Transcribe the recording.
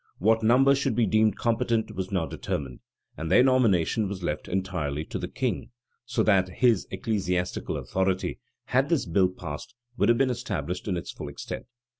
[] What number should be deemed competent was not determined; and their nomination was left entirely to the king: so that his ecclesiastical authority, had this bill passed, would have been established in its full extent.